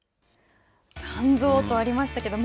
残像とありましたけど